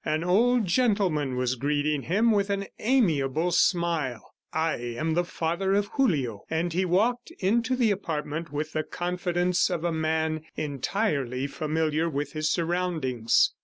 An old gentleman was greeting him with an amiable smile. "I am the father of Julio." And he walked into the apartment with the confidence of a man entirely familiar with his surroundings.